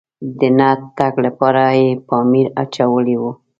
د نه تګ لپاره یې پامپر اچولی و.